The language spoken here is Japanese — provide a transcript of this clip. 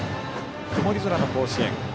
曇り空の甲子園。